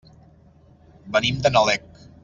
Venim de Nalec.